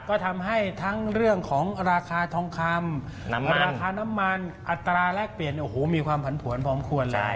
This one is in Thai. ก็ทำให้ทั้งเรื่องของราคาทองคำราคาน้ำมันอัตราแรกเปลี่ยนโอ้โหมีความผันผวนพร้อมควรเลย